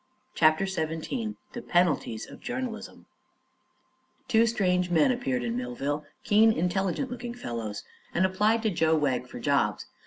CHAPTER XVII THE PENALTIES OF JOURNALISM Two strange men appeared in Millville keen, intelligent looking fellows and applied to Joe Wegg for jobs.